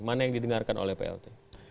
mana yang didengarkan oleh plt